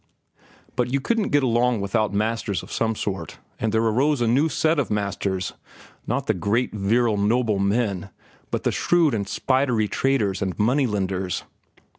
But you couldn't get along without masters of some sort, and there arose a new set of masters—not the great, virile, noble men, but the shrewd and spidery traders and money lenders.